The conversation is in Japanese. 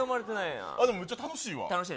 でも、めっちゃ楽しいわ。